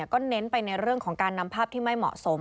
ก็เน้นไปในเรื่องของการนำภาพที่ไม่เหมาะสม